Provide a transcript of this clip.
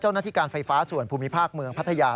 เจ้าหน้าที่การไฟฟ้าส่วนภูมิภาคเมืองพัทยา